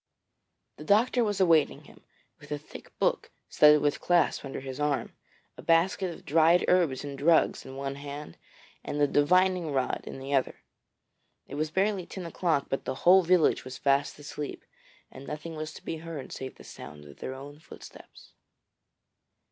The doctor was awaiting him, with a thick book studded with clasps under his arm, a basket of dried herbs and drugs in one hand, and the divining rod in the other. It was barely ten o'clock, but the whole village was fast asleep, and nothing was to be heard save the sound of their own footsteps.